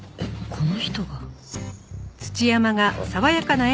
この人が？